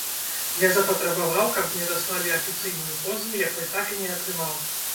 Я запатрабаваў, каб мне даслалі афіцыйную позву, якой так і не атрымаў.